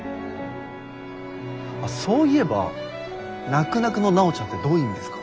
あっそういえば「なくなくの奈緒ちゃん」ってどういう意味ですか？